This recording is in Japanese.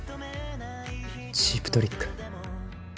チープトリック。